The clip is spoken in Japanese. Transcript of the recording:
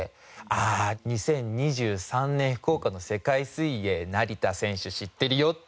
「ああ２０２３年福岡の世界水泳成田選手知ってるよ」って